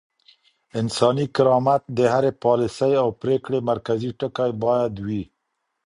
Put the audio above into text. انساني کرامت د هرې پاليسۍ او پرېکړې مرکزي ټکی بايد وي.